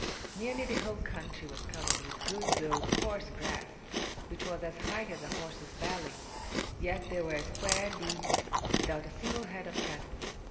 Nearly the whole country was covered with good though coarse grass, which was as high as a horse's belly; yet there were square leagues without a single head of cattle.